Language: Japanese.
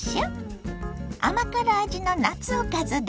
甘辛味の夏おかずです。